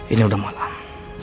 ini udah malam